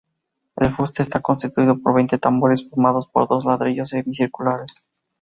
El fuste está constituido por veinte tambores formados por dos ladrillos semicirculares.